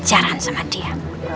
kejaran sama dia